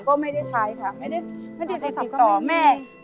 โทรศัพท์ก็ไม่ได้ใช้ค่ะไม่ได้ติดต่อ